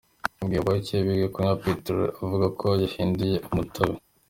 Yabwiye abayoboke biwe kunywa peterori, avuga ko yayihinduye umutobe.